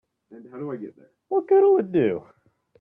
What good'll it do?